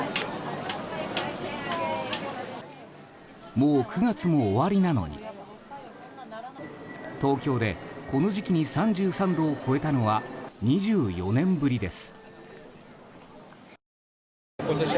もう９月も終わりなのに東京でこの時期に３３度を超えたのは２４年ぶりです。